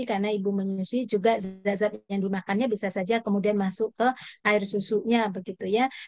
karena ibu menyusui juga zazat yang dimakannya bisa saja kemudian masuk ke air susunya